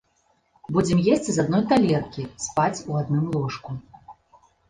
Будзем есці з адной талеркі, спаць у адным ложку.